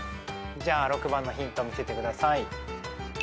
じゃあ６番のヒント見せてください。